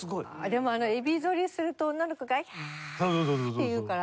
でもあのエビ反りすると女の子が「キャーッ！」って言うから。